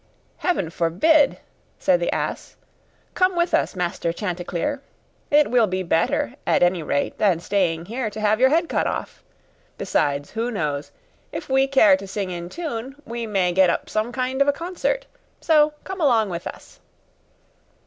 'Heaven forbid!' said the ass, 'come with us Master Chanticleer; it will be better, at any rate, than staying here to have your head cut off! Besides, who knows? If we care to sing in tune, we may get up some kind of a concert; so come along with us.